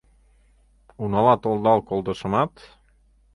Унала толдал колтышымат